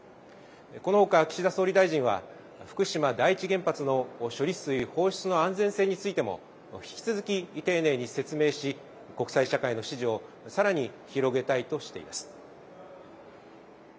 このほか岸田総理大臣は福島第一原発の処理水放出の安全性についても引き続き丁寧に説明し国際社会の支持をさらに広げたいとしています。